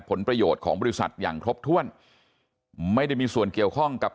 ผลประโยชน์ของบริษัทอย่างครบถ้วนไม่ได้มีส่วนเกี่ยวข้องกับ